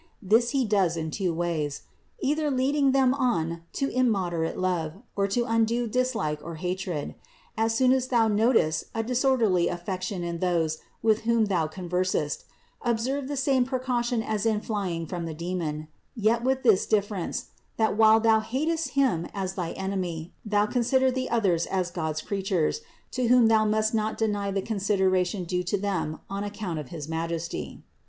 This he does in two ways : either leading them on to immoderate love, or to undue dislike or hatred. As soon as thou noticest a disorderly affection in those with whom thou conversest, observe the same precaution as in flying from the demon; yet with this difference, that while thou hatest him as thy enemy, thou consider the others as God's creatures to whom thou must not deny the consideration due to them on account of his Majesty.